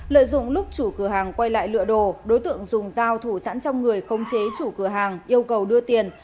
lợi dụng lúc chủ cửa hàng quay lại lựa đồ đối tượng dùng dao thủ sẵn trong người không chế chủ cửa hàng yêu cầu đưa tiền